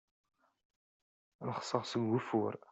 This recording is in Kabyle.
Llexseɣ seg ugeffur.